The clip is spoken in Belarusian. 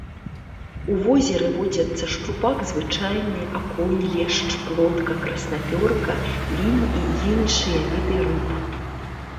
У возеры водзяцца шчупак звычайны, акунь, лешч, плотка, краснапёрка, лінь і іншыя віды рыб.